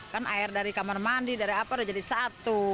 kan air dari kamar mandi dari apa udah jadi satu